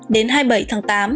đến hai mươi bảy tháng tám